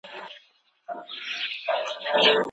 که سوله وي تعلیمي پروسه ښه کیږي.